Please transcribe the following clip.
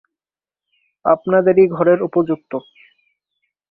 আপনাদেরই ঘরের উপযুক্ত।